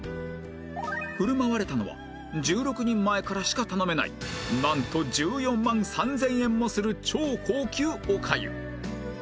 振る舞われたのは１６人前からしか頼めないなんと１４万３０００円もする超高級お粥